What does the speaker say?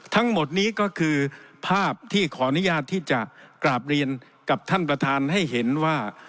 ทั้งหมดนี้ก็คือภาพที่ขออนุญาตที่จะกราบเรียนกับท่านประธานให้เห็นว่า